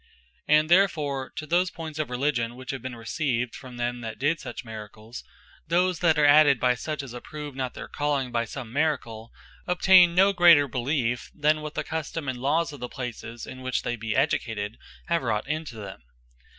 And therefore, to those points of Religion, which have been received from them that did such Miracles; those that are added by such, as approve not their Calling by some Miracle, obtain no greater beliefe, than what the Custome, and Lawes of the places, in which they be educated, have wrought into them.